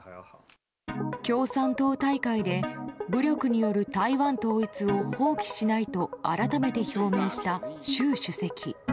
共産党大会で武力による台湾統一を放棄しないと改めて表明した習主席。